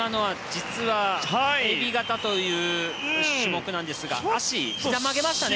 実は、えび型という種目なんですが足、ひざ曲げましたね。